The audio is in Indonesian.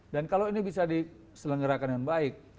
dan kalau ini bisa diselenggarakan dengan baik